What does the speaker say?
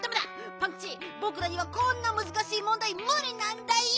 パンキチぼくらにはこんなむずかしいもんだいむりなんだよ！